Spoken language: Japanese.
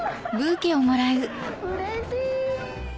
うれしい！